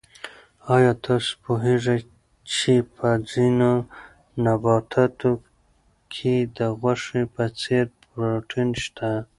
آیا تاسو پوهېږئ چې په ځینو نباتاتو کې د غوښې په څېر پروټین شته؟